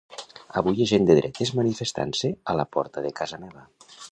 Avui és gent de dretes manifestant-se a la porta de casa meva.